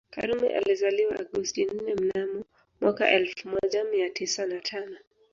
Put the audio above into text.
Karume alizaliwa Agosti nne mnamo mwaka elfu moja mia tisa na tano